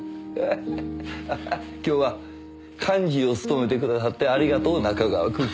今日は幹事を務めてくださってありがとう仲川くん。